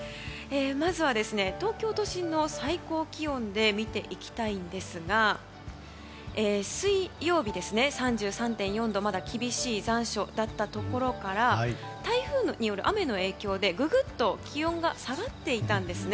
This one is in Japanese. まずは東京都心の最高気温で見ていきたいんですが水曜日、３３．４度まだ厳しい残暑だったことから台風による雨の影響でググっと気温が下がっていたんです。